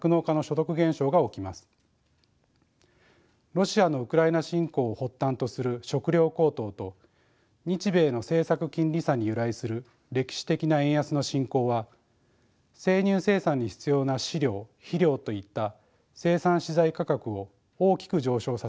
ロシアのウクライナ侵攻を発端とする食料高騰と日米の政策金利差に由来する歴史的な円安の進行は生乳生産に必要な飼料・肥料といった生産資材価格を大きく上昇させました。